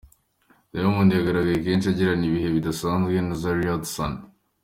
Diamond yagaragaye kenshi agirana ibihe bidashanzwe na Zari Hassan.